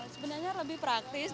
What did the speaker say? sebenarnya lebih praktis